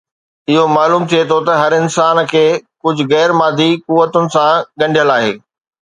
اهو معلوم ٿئي ٿو ته هر انسان کي ڪجهه غير مادي قوتن سان ڳنڍيل آهي